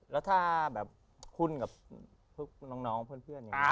และถ้าแบบคุณหุ้นกับเพื่อน